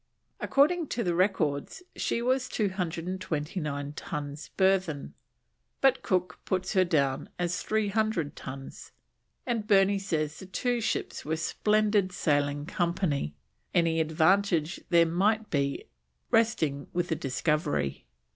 According to the Records she was 229 tons burthen, but Cook puts her down as 300 tons; and Burney says the two ships were splendid sailing company, any advantage there might be resting with the Discovery.